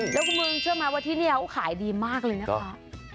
แล้วคุณมึงเชื่อไหมว่าที่นี่เขาขายดีมากเลยนะคะ